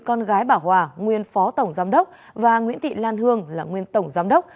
con gái bảo hòa nguyên phó tổng giám đốc và nguyễn thị lan hương là nguyên tổng giám đốc